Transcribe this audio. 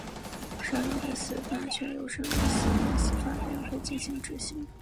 上议院的司法权由上议院司法委员会执行。